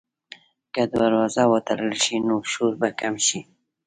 که دروازه وتړل شي، نو شور به کم شي.